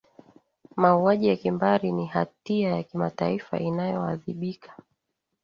mauaji ya kimbari ni hatia ya kimataifa inayoadhibika